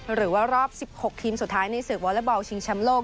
หรือว่ารอบสิบหกทีมสุดท้ายในสืบวอลเล็ตบอลชิงชำโลก